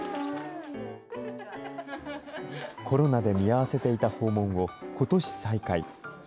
コロナで見合わせていた訪問をことし再開。